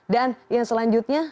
dan yang selanjutnya